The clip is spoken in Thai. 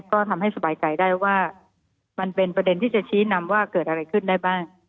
ก็ทำให้สบายใจได้ว่ามันเป็นประเด็นที่จะชี้นำว่าเกิดอะไรขึ้นได้บ้าง